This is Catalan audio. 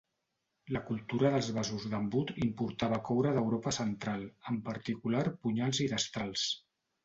La cultura dels vasos d'embut importava coure d'Europa central, en particular punyals i destrals.